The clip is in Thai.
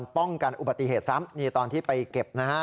ป้องกันอุบัติเหตุซ้ำนี่ตอนที่ไปเก็บนะฮะ